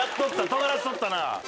とがらしとったな。